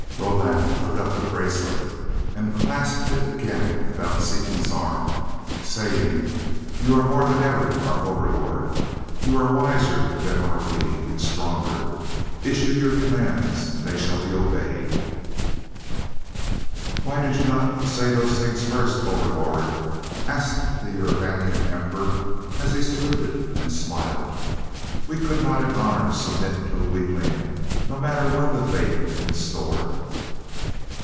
Roban took up the bracelet and clasped it again about Seaton's arm, saying, "You are more than ever our Overlord. You are wiser than are we, and stronger. Issue your commands and they shall be obeyed." "Why did not you say those things first, Overlord?" asked the Urvanian emperor, as he saluted and smiled. "We could not in honor submit to a weakling, no matter what the fate in store.